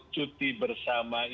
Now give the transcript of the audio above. cuti bersama itu kan